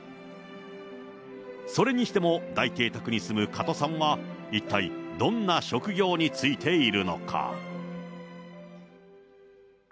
それにしても大邸宅に住むカトさんは、一体どんな職業に就いているのか。